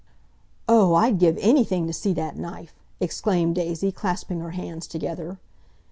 "Oh, I'd give anything to see that knife!" exclaimed Daisy, clasping her hands together.